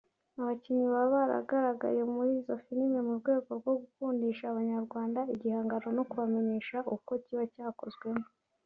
abakinnyi baba baragaragaye muri izo film mu rwego rwo gukundisha abanyarwanda igihangano no kubamenyesha uko kiba cyakozwemo